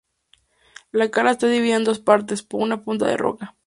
La cala está dividida en dos partes por una punta de roca.